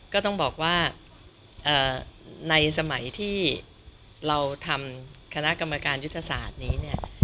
ก็ต้องบอกว่าในสมัยที่เราทำคณะกรรมการยุทธศาสตร์นี้เนี่ย